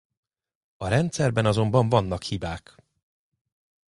A rendszerben azonban vannak hibák.